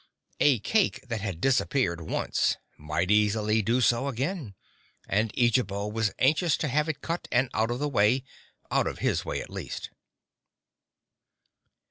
A cake that had disappeared once might easily do so again, and Eejabo was anxious to have it cut and out of the way—out of his way at least.